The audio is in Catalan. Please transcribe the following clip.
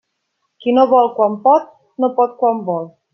Qui no vol quan pot, no pot quan vol.